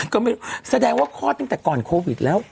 ก็ไม่รู้แสดงว่าคลอดตั้งแต่ก่อนโควิดแล้ว